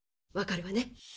わかるわね」。